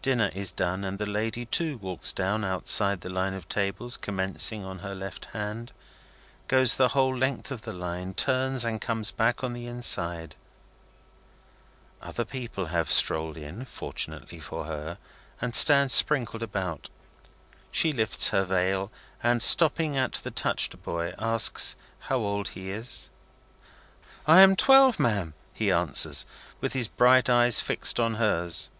Dinner is done, and the lady, too, walks down outside the line of tables commencing on her left hand, goes the whole length of the line, turns, and comes back on the inside. Other people have strolled in, fortunately for her, and stand sprinkled about. She lifts her veil, and, stopping at the touched boy, asks how old he is? "I am twelve, ma'am," he answers, with his bright eyes fixed on hers.